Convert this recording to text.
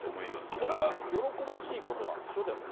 それは喜ばしいことなんでしょ、でも。